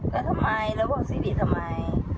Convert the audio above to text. แล้วทำไมแล้วบอกสิริทำไม